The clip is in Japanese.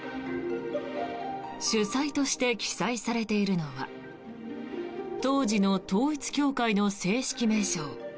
主催として記載されているのは当時の統一教会の正式名称